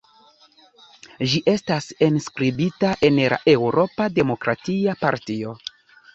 Ĝi estas enskribita en la Eŭropa Demokratia Partio.